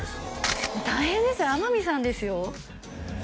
もう大変ですよ天海さんですよ